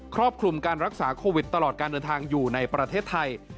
รอบคลุมการรักษาโควิดตลอดการเดินทางอยู่ในประเทศไทย